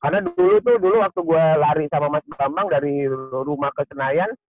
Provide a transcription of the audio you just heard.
karena dulu tuh dulu waktu gue lari sama mas bambang dari rumah ke senayan